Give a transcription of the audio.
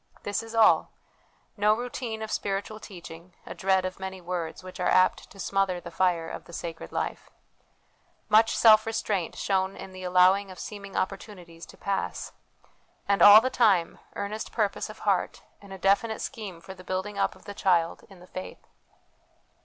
This is all : no routine of spiritual teaching ; a dread of many words, which are apt to smother the fire of the sacred life ; much self restraint shown in the allowing of seeming opportunities to pass; and all the time, earnest purpose of heart, and a definite scheme for the building up of the child in the faith.